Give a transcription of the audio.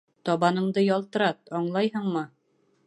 Табаныңды ялтырат, аңлайһыңмы!